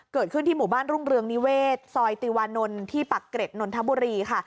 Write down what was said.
เกิดขึ้นที่หมู่บ้านรุ่งเรืองนิเวศซอยติวานนท์ที่ปักเกร็ดนนทบุรีค่ะ